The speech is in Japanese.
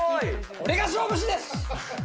これが勝負師です！